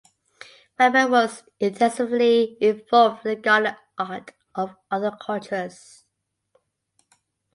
Weber was intensively involved with the garden art of other cultures.